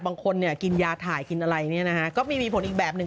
บางคนกินยาถ่ายกินอะไรก็มีผลอีกแบบหนึ่ง